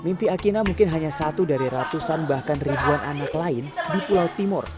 mimpi akina mungkin hanya satu dari ratusan bahkan ribuan anak lain di pulau timur